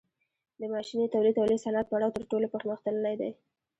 د ماشیني تولید او لوی صنعت پړاو تر ټولو پرمختللی دی